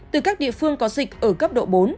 từ các địa phương có dịch ở cấp độ bốn